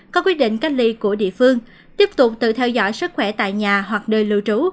có quyết định cách ly của địa phương tiếp tục tự theo dõi sức khỏe tại nhà hoặc nơi lưu trú